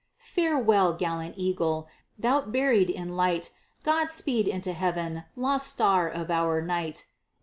Farewell, gallant eagle! thou'rt buried in light! God speed into Heaven, lost star of our night!